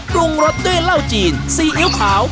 ปรุงรสด้วยเหล้าจีนซีอิ๊วขาว